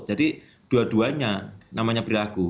jadi dua duanya namanya perilaku